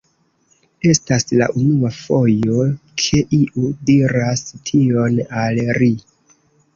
Estas la unua fojo ke iu diras tion al ri.